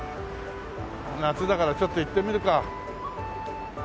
夏だからちょっと行ってみるか。